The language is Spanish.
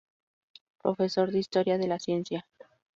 Profesor de Historia de la Ciencia.